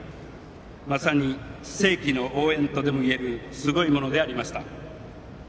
まさに世紀の応援とでもいえるすごいものでありました。